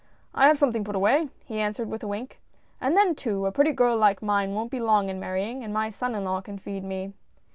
" I have something put away," he answered with a wink —" and then too, a pretty girl like mine won't be long in marrying, and my son in law can feed me."